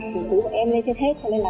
cứu em lên trên hết cho nên là